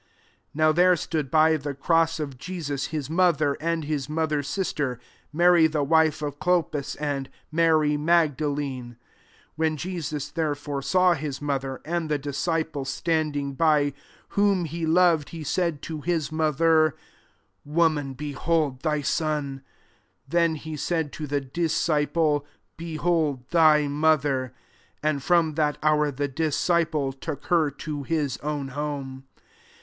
25 Now, there stood by the cross of Jesus, his mother, and his mother's sister, Mary the wife of Clopas, and Mary Mag dalene. 26 When Jesus, there fore, saw his mother, and the disciple standing by, whom he loved, he said to his mother, *' Woman, behold, thy son." 27 Then he said to the disci ple, <« Behold, thy mother." And from that hour the disci ple took her to his own home.